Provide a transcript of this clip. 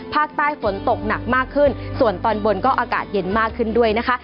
ภาคใต้ฝนตกหนักมากขึ้นส่วนตอนบนก็อากาศเย็นมากขึ้นด้วยนะคะ